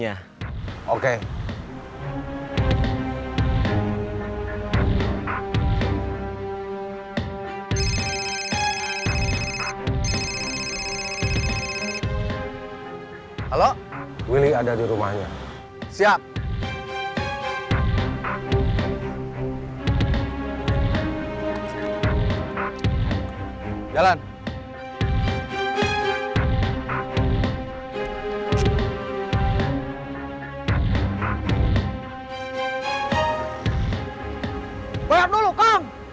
jadi pendamping aja